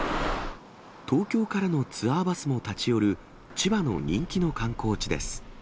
東京からのツアーバスも立ち寄る、千葉の人気の観光地です。